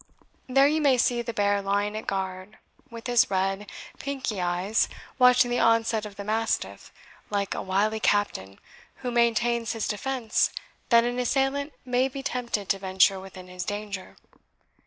There you may see the bear lying at guard, with his red, pinky eyes watching the onset of the mastiff, like a wily captain who maintains his defence that an assailant may be tempted to venture within his danger.